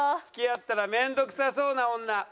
付き合ったら面倒くさそうな女。